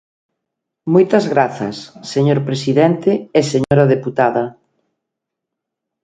Moitas grazas, señor presidente e señora deputada.